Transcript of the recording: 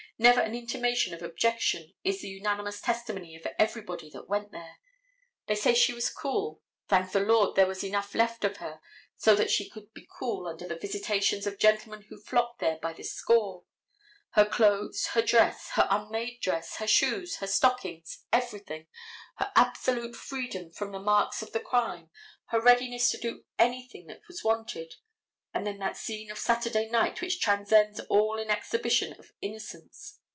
Never an intimation of objection is the unanimous testimony of everybody that went there. They say she was cool. Thank the Lord there was enough left of her so that she could be cool under the visitations of gentlemen who flocked there by the score. Her clothes, her dress, her unmade dress, her shoes, her stockings, everything, her absolute freedom from the marks of the crime, her readiness to do anything that was wanted, and then that scene of Saturday night which transcends all in exhibition of innocence.